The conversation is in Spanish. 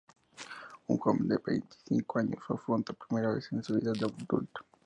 Un joven, de veinticinco años afronta por primera vez su vida de adulto.